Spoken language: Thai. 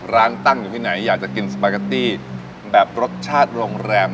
ร้านตั้งอยู่ที่ไหนอยากจะกินสปาเกตตี้แบบรสชาติโรงแรม